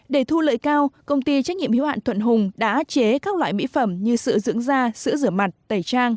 để thu lợi cao công ty trách nhiệm hiếu hạn thuận hùng đã chế các loại mỹ phẩm như sữa dưỡng da sữa rửa mặt tẩy trang